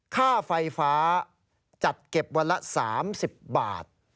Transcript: ค่าไฟฟ้าจัดเก็บวันละ๓๐บาท